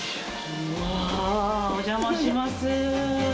わあお邪魔します。